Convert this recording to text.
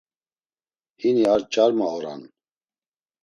Hini a ç̆arma oran.